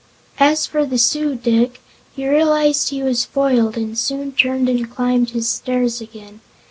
As for the Su dic, he realized he was foiled and soon turned and climbed his stairs again.